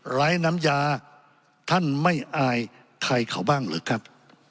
ไร้น้ำยาท่านไม่อายใครเขาบ้างหรือครับ